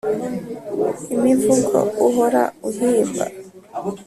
imivugo uhora uhimba